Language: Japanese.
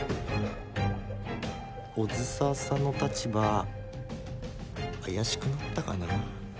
小豆沢さんの立場怪しくなったかな？